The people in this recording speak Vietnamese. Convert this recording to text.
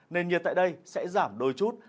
nền nhiệt tại đây sẽ giảm đôi chút